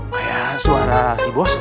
kayak suara si bos